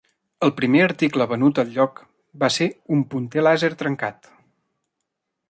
El primer article venut al lloc va ser un punter làser trencat.